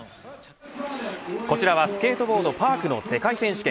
こちらはスケートボードパークの世界選手権。